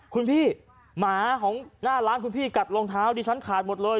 คุณพี่หมาของหน้าร้านคุณพี่กัดรองเท้าดิฉันขาดหมดเลย